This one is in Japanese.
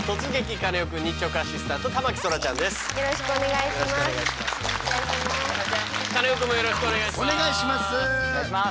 カネオくんもよろしくお願いします。